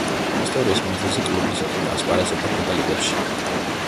ისტორიის მანძილზე კლუბი ძირითადად ასპარეზობდა ქვედა ლიგებში.